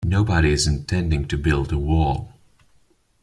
Nobody's intending to build a wall.